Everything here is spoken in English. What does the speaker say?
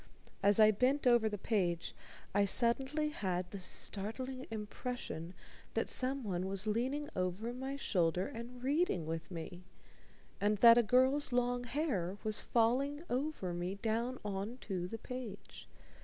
As I bent over the page, I suddenly had the startling impression that someone was leaning over my shoulder and reading with me, and that a girl's long hair was falling over me down on to the page.